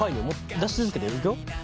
出し続けていくよ。